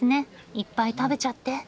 いっぱい食べちゃって。